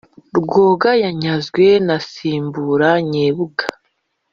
rwoga yanyanzwe na nsibura nyebunga